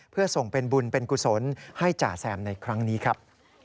เพื่อส่งเป็นบุญเป็นกุศลให้จ่าแซมในครั้งนี้ครับ